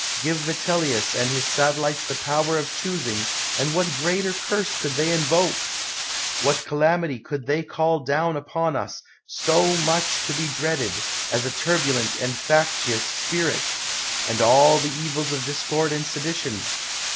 Give Vitellius and his satellites the power of choosing, and what greater curse could they invoke? What calamity could they call down upon us, so much to be dreaded, as a turbulent and factious spirit, and all the evils of discord and sedition?